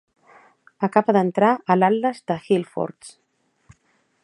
Acaba d"entrar a l" Atlas de Hillforts.